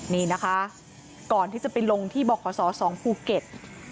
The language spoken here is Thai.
นี่นะคะก่อนที่จะไปลงที่บขศ๒ภูเก็ต